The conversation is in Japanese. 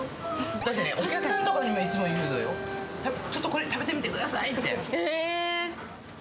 私、お客さんにもいつも言うのよ、ちょっと、これ食べてみてくださえー。